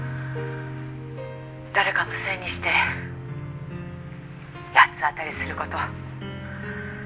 「誰かのせいにして八つ当たりする事」